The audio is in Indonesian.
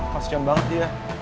masih kian banget dia